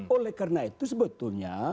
oleh karena itu sebetulnya